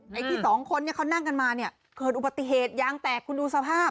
ไอ้ที่สองคนเนี่ยเขานั่งกันมาเนี่ยเกิดอุบัติเหตุยางแตกคุณดูสภาพ